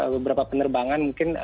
beberapa penerbangan mungkin